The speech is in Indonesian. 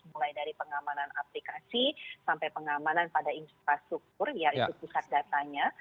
mulai dari pengamanan aplikasi sampai pengamanan pada infrastruktur yaitu pusat datanya